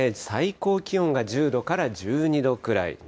最高気温が１０度から１２度くらい。